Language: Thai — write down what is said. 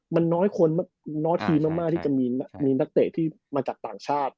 มันน้อยคนน้อยทีมากที่จะมีนักเตะที่มาจากต่างชาติ